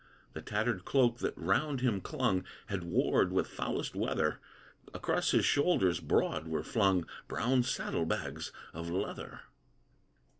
The tattered cloak that round him clung Had warred with foulest weather; Across his shoulders broad were flung Brown saddlebags of leather.